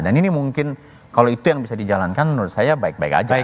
dan ini mungkin kalau itu yang bisa dijalankan menurut saya baik baik saja